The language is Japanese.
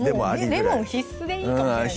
もうレモン必須でいいかもしれないですね